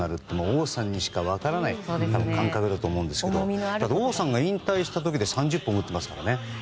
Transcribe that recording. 王さんにしか分からない感覚だと思うんですけどだって、王さんが引退した時で３０本打ってますからね。